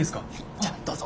じゃあどうぞ。